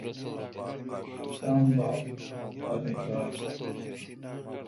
سم بھا تانی کار تھ۔